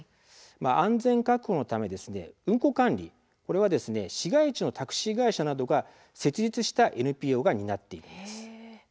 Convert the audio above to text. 安全確保のため運行管理は市街地のタクシー会社などが設立したＮＰＯが担っているんです。